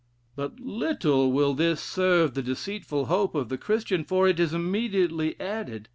But little will this serve the deceitful hope of the Christian, for it is immediately added.